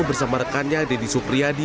bersama rekannya deddy supriyadi